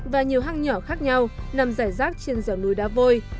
và nhiều hang nhỏ khác nhau nằm rải rác trên dẻo núi đá vôi